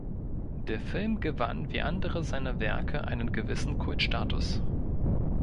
Der Film gewann wie andere seiner Werke einen gewissen Kultstatus.